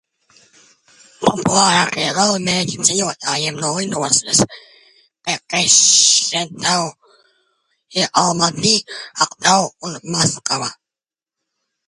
"Populārākie galamērķi ceļotājiem no lidostas "Kekšetau" ir Almati, Aktau un Maskava."